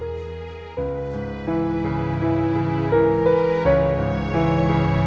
dia sudah kembali ke rumah sakit